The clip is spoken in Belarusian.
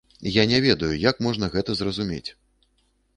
Я не ведаю, як можна гэта зразумець.